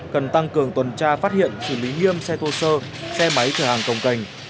cần tăng cường tuần tra phát hiện xử lý nghiêm xe thô sơ xe máy chở hàng công cành